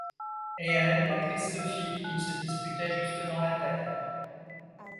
Et elle, la triste fille, qu’ils se disputaient jusque dans la terre !